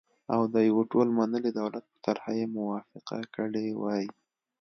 او د يوه ټول منلي دولت په طرحه یې موافقه کړې وای،